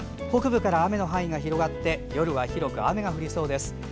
北部から雨の範囲が広がって夜は広く雨になりそうです。